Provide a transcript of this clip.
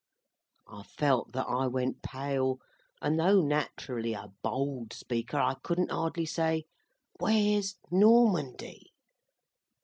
I felt that I went pale, and though nat'rally a bold speaker, I couldn't hardly say, "Where's Normandy?"